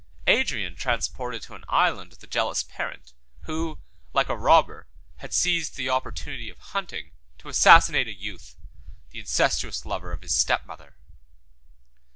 Adrian transported to an island the jealous parent, who, like a robber, had seized the opportunity of hunting, to assassinate a youth, the incestuous lover of his step mother.